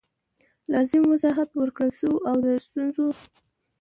لازم وضاحت ورکړل سو او د ستونزو